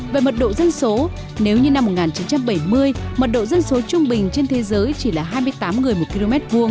về mật độ dân số nếu như năm một nghìn chín trăm bảy mươi mật độ dân số trung bình trên thế giới chỉ là hai mươi tám người một km hai